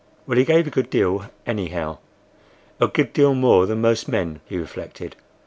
Well, he gave a good deal, anyhow—a good deal more than most men, he reflected.